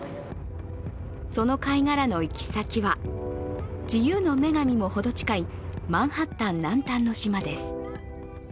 その貝殻の行き先は自由の女神もほど近いマンハッタン南端の島です。